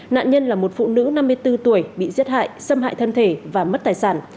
nạn nhân là một phụ nữ năm mươi bốn tuổi bị giết hại xâm hại thân thể và mất tài sản